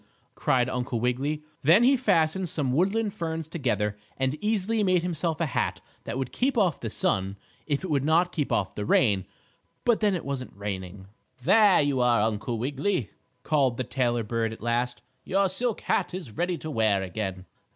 cried Uncle Wiggily. Then he fastened some woodland ferns together and easily made himself a hat that would keep off the sun, if it would not keep off the rain. But then it wasn't raining. "There you are, Uncle Wiggily!" called the tailor bird at last. "Your silk hat is ready to wear again."